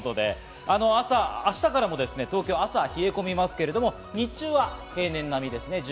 明日から東京、朝は冷え込みますけれども日中は平年並みです。